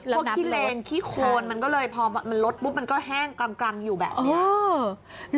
แล้วขี้เลนขี้โคนมันก็เลยพอมันลดปุ๊บมันก็แห้งกลางอยู่แบบนี้